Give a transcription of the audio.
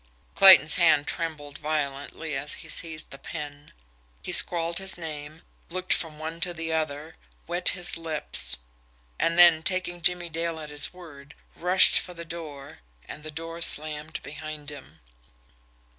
Clayton's hand trembled violently as he seized the pen. He scrawled his name looked from one to the other wet his lips and then, taking Jimmie Dale at his word, rushed for the door and the door slammed behind him.